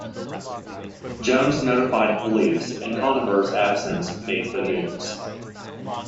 Jones notified police, and Conover's absence made the news.